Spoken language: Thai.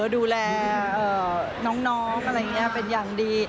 ดูแลน้องอะไรอย่างนี้เป็นอย่างดี